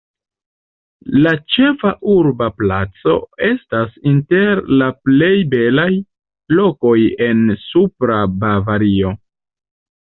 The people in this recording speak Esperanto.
La ĉefa urba placo estas inter la plej belaj lokoj en Supra Bavario.